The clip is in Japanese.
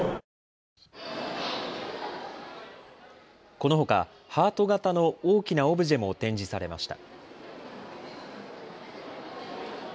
このほかハート形の大きなオブジェも展示されました。